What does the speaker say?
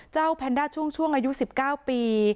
แพนด้าช่วงอายุ๑๙ปี